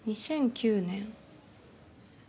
２００９年？